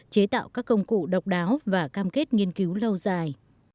chế tạo các công cụ độc đáo và cam kết nghiên cứu lâu dài